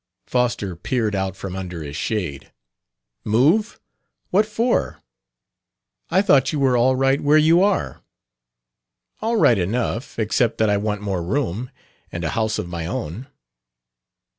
Foster peered out from under his shade. "Move? What for? I thought you were all right where you are. "All right enough; except that I want more room and a house of my own."